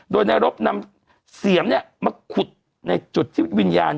โดยแนวรบนำเสี่ยงเนี่ยมาขุดในจุดที่วิญญาณ